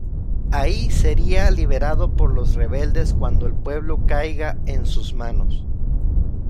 Ahí sería liberado por los rebeldes cuando el pueblo caiga en sus manos.